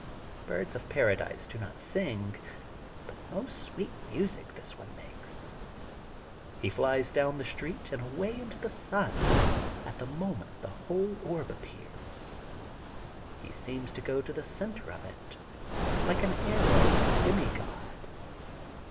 Birds of Paradise do not sing, but most sweet music this one makes. He flies down the street and away into the sun at the moment the whole 226 THE GOLDEN BOOK OF SPRINGFIELD 227 orb appears. He seems to go to the center of it, like an arrow of a demi god.